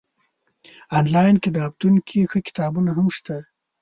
انلاين کتابتون کي ښه کتابونه هم شته